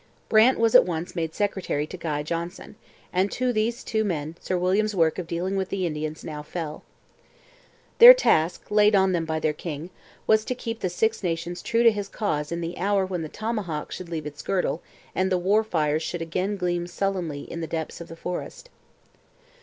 Brant was at once made secretary to Guy Johnson, and to these two men Sir William's work of dealing with the Indians now fell. Their task, laid on them by their king, was to keep the Six Nations true to his cause in the hour when the tomahawk should leave its girdle and the war fires should again gleam sullenly in the depths of the forest.